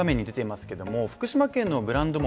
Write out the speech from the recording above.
福島県のブランド桃